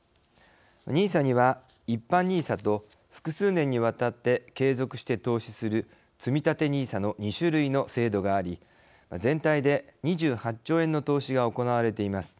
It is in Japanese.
ＮＩＳＡには一般ＮＩＳＡと複数年にわたって継続して投資するつみたてＮＩＳＡの２種類の制度があり全体で２８兆円の投資が行われています。